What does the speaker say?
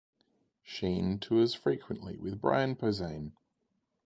Sheen tours frequently with Brian Posehn.